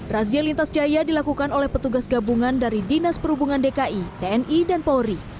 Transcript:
razia lintas jaya dilakukan oleh petugas gabungan dari dinas perhubungan dki tni dan polri